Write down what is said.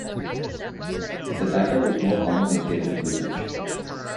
The latter was more common in general usage.